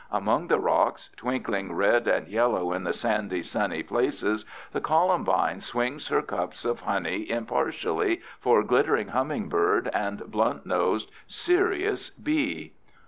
Among the rocks, twinkling red and yellow in the sandy, sunny places, the columbine swings her cups of honey impartially for glittering humming bird and blunt nosed, serious bee.